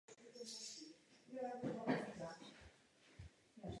Ale kouzelný diamant na štítu ztratil svůj lesk a připravil ho o kouzelnou moc.